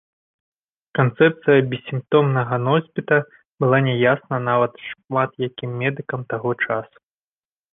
Канцэпцыя бессімптомнага носьбіта была няясная нават шмат якім медыкам таго часу.